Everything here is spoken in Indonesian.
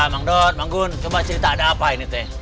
mangdon manggun coba cerita ada apa ini teh